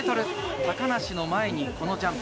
高梨の前にこのジャンプ。